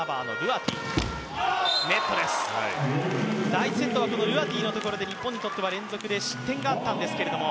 第１セットはルアティのところで日本にとっては失点があったんですけども